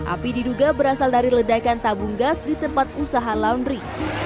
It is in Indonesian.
api diduga berasal dari ledakan tabung gas di tempat usaha laundry